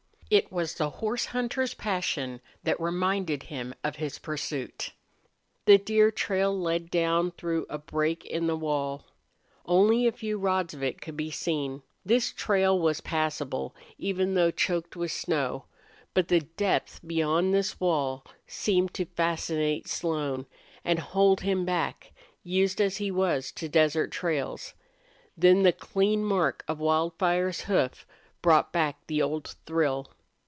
It was the horse hunter's passion that reminded him of his pursuit. The deer trail led down through a break in the wall. Only a few rods of it could be seen. This trail was passable, even though choked with snow. But the depth beyond this wall seemed to fascinate Slone and hold him back, used as he was to desert trails. Then the clean mark of Wildfire's hoof brought back the old thrill.